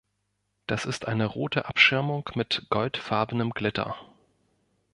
Das ist eine rote Abschirmung mit goldfarbenem Glitter.